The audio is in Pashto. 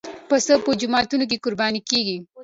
پسه په جوماتونو کې قرباني کېږي.